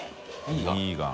ミーガン」